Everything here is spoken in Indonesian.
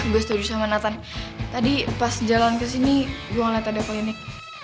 gue setuju sama nathan tadi pas jalan ke sini gue ngeliat ada polinik